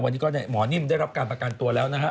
วันนี้ก็หมอนิ่มได้รับการประกันตัวแล้วนะฮะ